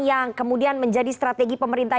yang kemudian menjadi strategi pemerintah